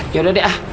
yaudah deh ah